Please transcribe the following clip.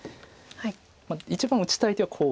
まあ一番打ちたい手はこうです。